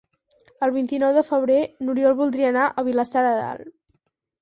El vint-i-nou de febrer n'Oriol voldria anar a Vilassar de Dalt.